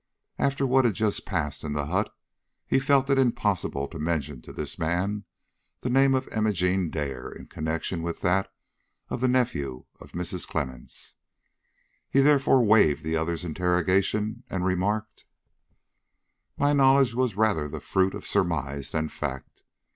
After what had just passed in the hut, he felt it impossible to mention to this man the name of Imogene Dare in connection with that of the nephew of Mrs. Clemmens. He therefore waived the other's interrogation and remarked: "My knowledge was rather the fruit of surmise than fact.